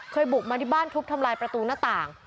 บุกมาที่บ้านทุบทำลายประตูหน้าต่าง